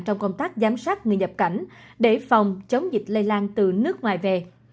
trong công tác giám sát người nhập cảnh để phòng chống dịch lây lan từ nước ngoài về